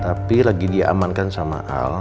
tapi lagi diamankan sama al